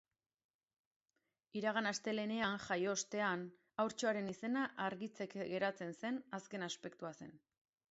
Iragan astelehenean jaio ostean, haurtxoaren izena argitzeke geratzen zen azken aspektua zen.